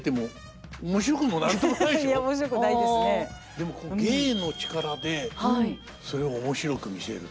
でも芸の力でそれを面白く見せるという。